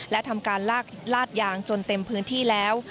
และทำการลากยางจนเต็มพื้นที่แล้ว